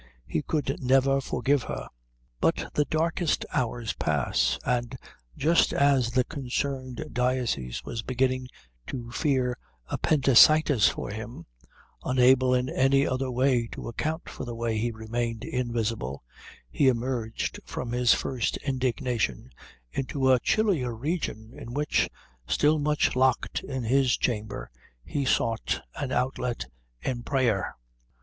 He could never forgive her. But the darkest hours pass, and just as the concerned diocese was beginning to fear appendicitis for him, unable in any other way to account for the way he remained invisible, he emerged from his first indignation into a chillier region in which, still much locked in his chamber, he sought an outlet in prayer.